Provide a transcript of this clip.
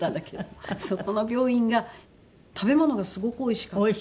そこの病院が食べ物がすごくおいしかった。